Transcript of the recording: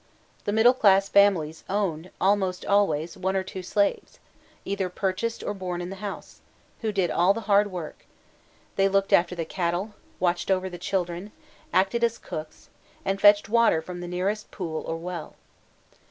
The middle class families owned, almost always, one or two slaves either purchased or born in the house who did all the hard work: they looked after the cattle, watched over the children, acted as cooks, and fetched water from the nearest pool or well.